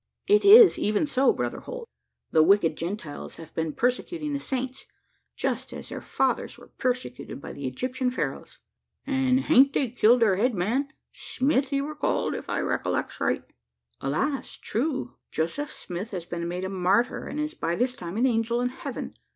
It is even so, Brother Holt the wicked Gentiles have been persecuting the Saints: just as their fathers were persecuted by the Egyptian Pharaohs." "An' hain't they killed their head man Smith he wur called, if I recollex right." "Alas, true! Joseph Smith has been made a martyr, and is by this time an angel in heaven.